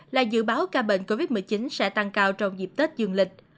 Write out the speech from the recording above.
là dự báo ca bệnh covid một mươi chín sẽ tăng cao trong dịp tết dương lịch